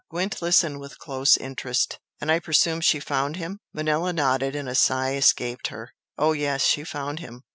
Gwent listened with close interest. "And I presume she found him?" Manella nodded, and a sigh escaped her. "Oh, yes, she found him!